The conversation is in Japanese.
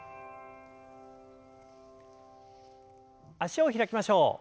脚を開きましょう。